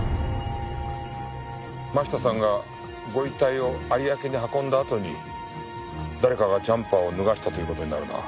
真下さんがご遺体を有明に運んだあとに誰かがジャンパーを脱がせたという事になるな。